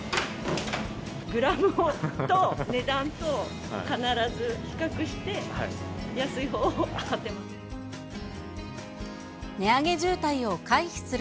グラムと値段とを必ず比較して、安いほうを買ってます。